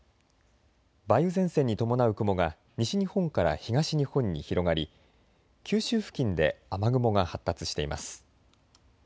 梅雨前線に伴う雲が西日本から東日本に広がり九州付近で雨雲が発達しています。